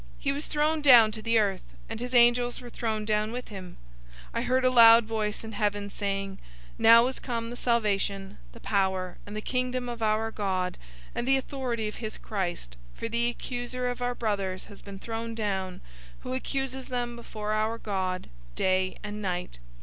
He was thrown down to the earth, and his angels were thrown down with him. 012:010 I heard a loud voice in heaven, saying, "Now is come the salvation, the power, and the Kingdom of our God, and the authority of his Christ; for the accuser of our brothers has been thrown down, who accuses them before our God day and night.